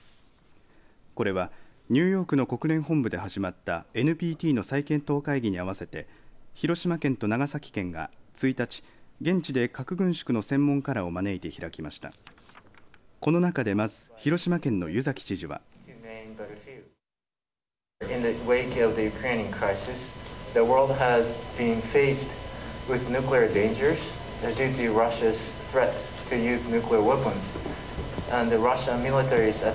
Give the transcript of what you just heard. これはニューヨークの国連本部で始まったＮＰＴの再検討会議に合わせて広島県と長崎県が１日、現地で核軍縮の専門家らを招いて開きました。